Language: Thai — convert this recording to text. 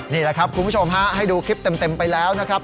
นี่แหละครับคุณผู้ชมฮะให้ดูคลิปเต็มไปแล้วนะครับ